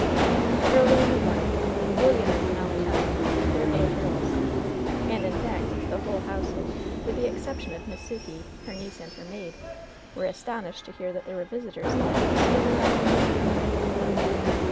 Early in the morning William and Molly Elk, their LOVE'S BITTEREST CUP «5 little f^rls, and in fact the whole household, with the exception of Miss Sukey, her niece and her maid, were astonished to hear that there were visitors in the house who had arrived late on the night before.